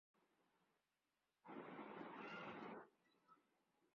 محبت کا معاملہ کچھ ایسا ہی ہے۔